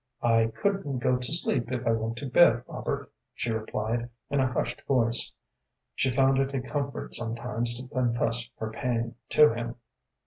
"I couldn't go to sleep if I went to bed, Robert," she replied, in a hushed voice. She found it a comfort sometimes to confess her pain to him.